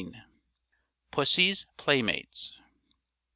_] PUSSY'S PLAYMATES.